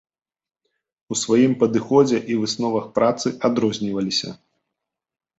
У сваім падыходзе і высновах працы адрозніваліся.